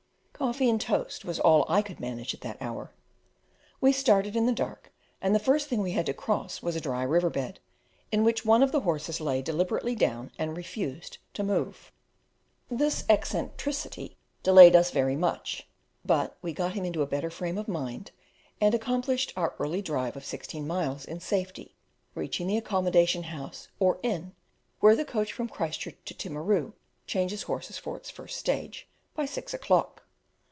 Coffee and toast was all I could manage at that hour. We started in the dark, and the first thing we had to cross was a dry river bed, in which one of the horses lay deliberately down, and refused to move. This eccentricity delayed us very much; but we got him into a better frame of mind, and accomplished our early drive of sixteen miles in safety, reaching the accommodation house, or inn, where the coach from Christchurch to Timaru changes horses for its first stage, by six o'clock.